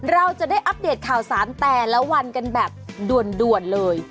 เราจะได้อัปเดตข่าวสารแต่ละวันกันแบบด่วนเลย